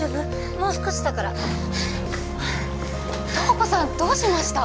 もう少しだから瞳子さんどうしました？